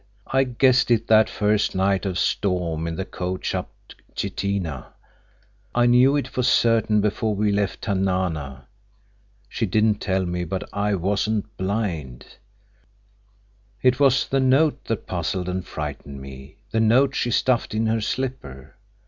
"I guessed it that first night of storm in the coach up to Chitina. I knew it for certain before we left Tanana. She didn't tell me, but I wasn't blind. It was the note that puzzled and frightened me—the note she stuffed in her slipper.